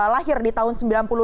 lahir di tahun